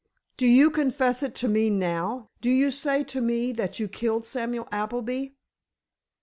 "Do you confess it to me, now? Do you say to me that you killed Samuel Appleby?"